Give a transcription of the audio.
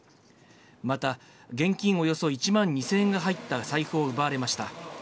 また現金およそ１万２０００円が入った財布を奪われました。